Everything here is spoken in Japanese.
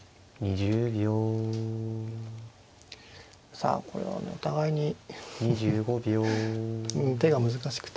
さあこれはお互いにフフフフ手が難しくて。